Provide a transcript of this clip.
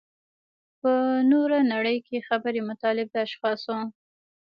په نوره نړۍ کې خبري مطالب د اشخاصو.